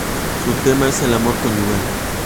Su tema es el amor conyugal.